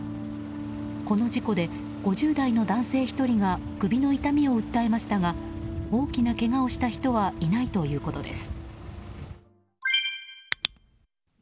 この事故で５０代の男性１人が首の痛みを訴えましたが大きなけがをした人はいないということです。